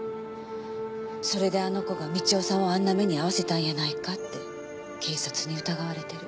それであの子が道夫さんをあんな目に遭わせたんやないかって警察に疑われてる。